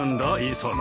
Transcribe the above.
磯野。